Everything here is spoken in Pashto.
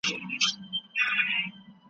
څنګه کولای سو د هېواد ملي ګټي په بهر کي وساتو؟